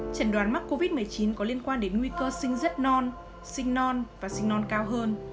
chẩn đoán mắc covid một mươi chín có liên quan đến nguy cơ sinh rất non sinh non và sinh non cao hơn